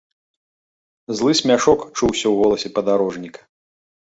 Злы смяшок чуўся ў голасе падарожніка.